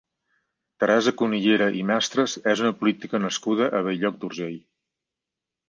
Teresa Cunillera i Mestres és una política nascuda a Bell-lloc d'Urgell.